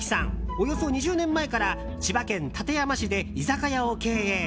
およそ２０年前から千葉県館山市で居酒屋を経営。